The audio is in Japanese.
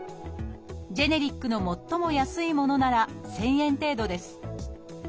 ジェネリックの最も安いものなら１，０００円程度です。